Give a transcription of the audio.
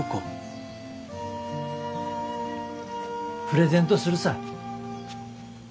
プレゼントするさぁ。